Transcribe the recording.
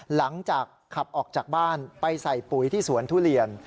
หลังจากขับออกจากบ้านไปใส่ปุ๋ยที่สวนทุเรียน